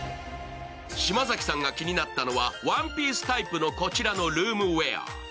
島崎さんが気になったのは、ワンピースタイプのこちらのルームウエア。